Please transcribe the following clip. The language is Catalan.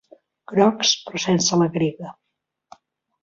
Grocs, però sense la grega.